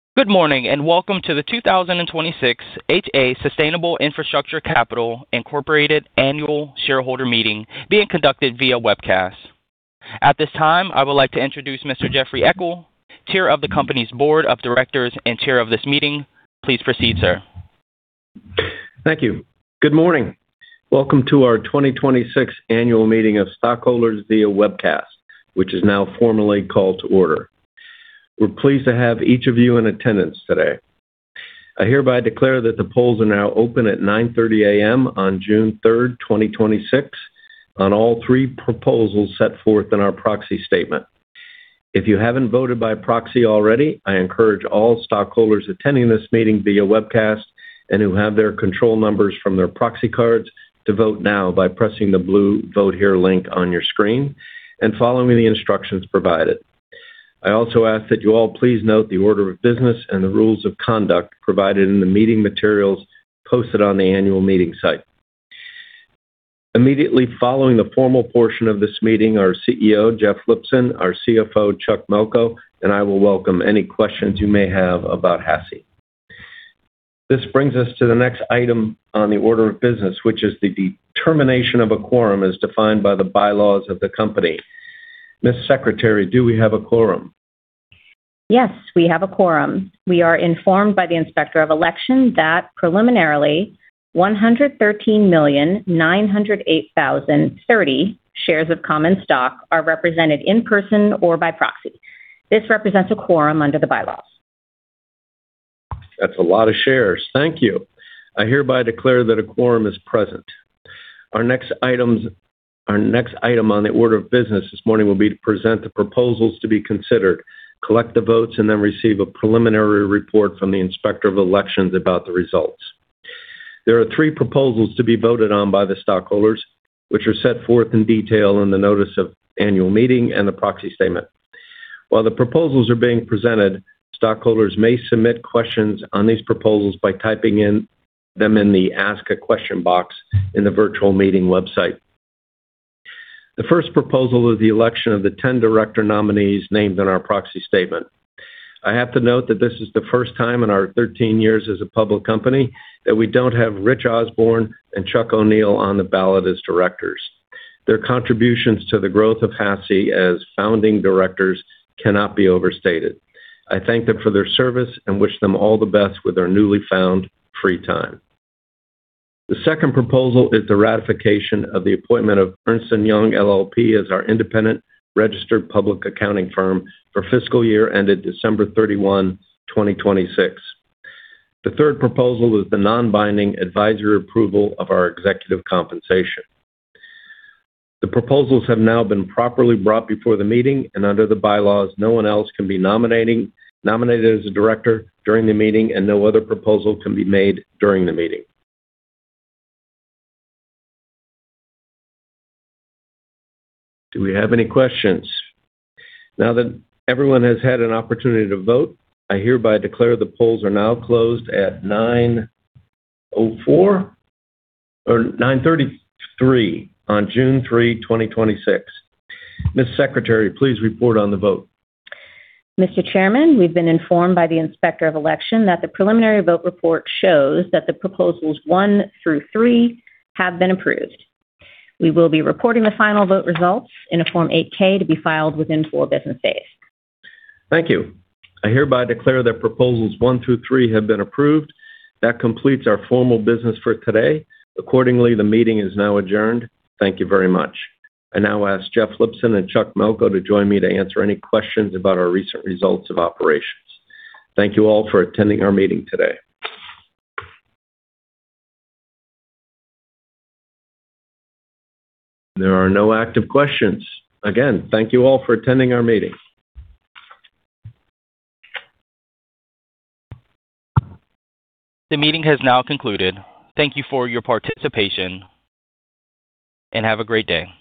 Good morning, welcome to the 2026 HA Sustainable Infrastructure Capital, Inc. annual shareholder meeting being conducted via webcast. At this time, I would like to introduce Mr. Jeffrey Eckel, Chair of the company's Board of Directors and Chair of this meeting. Please proceed, sir. Thank you. Good morning. Welcome to our 2026 annual meeting of stockholders via webcast, which is now formally called to order. We're pleased to have each of you in attendance today. I hereby declare that the polls are now open at 9:30 A.M. on June 3rd, 2026, on all three proposals set forth in our proxy statement. If you haven't voted by proxy already, I encourage all stockholders attending this meeting via webcast and who have their control numbers from their proxy cards to vote now by pressing the blue vote here link on your screen and following the instructions provided. I also ask that you all please note the order of business and the rules of conduct provided in the meeting materials posted on the annual meeting site. Immediately following the formal portion of this meeting, our CEO, Jeffrey Lipson, our CFO, Charles Melko, and I will welcome any questions you may have about HASI. This brings us to the next item on the order of business, which is the determination of a quorum as defined by the bylaws of the company. Ms. Secretary, do we have a quorum? Yes, we have a quorum. We are informed by the Inspector of Election that preliminarily, 113,908,030 shares of common stock are represented in person or by proxy. This represents a quorum under the bylaws. That's a lot of shares. Thank you. I hereby declare that a quorum is present. Our next item on the order of business this morning will be to present the proposals to be considered, collect the votes, and then receive a preliminary report from the Inspector of Election about the results. There are three proposals to be voted on by the stockholders, which are set forth in detail in the notice of annual meeting and the proxy statement. While the proposals are being presented, stockholders may submit questions on these proposals by typing them in the Ask a Question box in the virtual meeting website. The first proposal is the election of the 10 director nominees named in our proxy statement. I have to note that this is the first time in our 13 years as a public company that we don't have Rich Osborne and Chuck O'Neil on the ballot as directors. Their contributions to the growth of HASI as founding directors cannot be overstated. I thank them for their service and wish them all the best with their newly found free time. The second proposal is the ratification of the appointment of Ernst & Young LLP as our independent registered public accounting firm for fiscal year ended December 31, 2026. The third proposal is the non-binding advisory approval of our executive compensation. The proposals have now been properly brought before the meeting. Under the bylaws, no one else can be nominated as a director during the meeting, and no other proposal can be made during the meeting. Do we have any questions? Now that everyone has had an opportunity to vote, I hereby declare the polls are now closed at 9:04 AM or 9:33 AM on June 3, 2026. Ms. Secretary, please report on the vote. Mr. Chairman, we've been informed by the Inspector of Election that the preliminary vote report shows that the proposals one through three have been approved. We will be reporting the final vote results in a Form 8-K to be filed within four business days. Thank you. I hereby declare that proposals one through three have been approved. That completes our formal business for today. Accordingly, the meeting is now adjourned. Thank you very much. I now ask Jeffrey Lipson and Charles Melko to join me to answer any questions about our recent results of operations. Thank you all for attending our meeting today. There are no active questions. Again, thank you all for attending our meeting. The meeting has now concluded. Thank you for your participation, and have a great day.